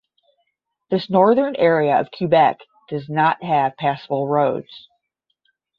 This northern area of Quebec does not have passable roads.